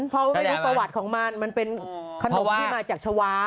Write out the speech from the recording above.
เพราะไม่รู้ประวัติของมันมันเป็นขนมที่มาจากชาวา